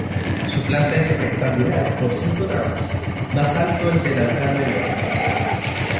Su planta es rectangular con cinco tramos, más alto el del altar mayor.